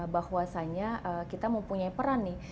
bahwasanya kita mempunyai peran nih